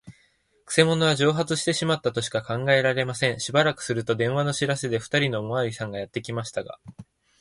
くせ者は蒸発してしまったとしか考えられません。しばらくすると、電話の知らせで、ふたりのおまわりさんがやってきましたが、